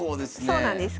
そうなんです。